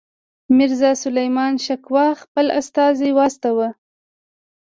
میرزاسلیمان شکوه خپل استازی واستاوه.